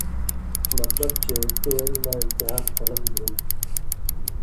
مطلب چے تیں علماں امتحان قلم گِھنیۡ تُھو،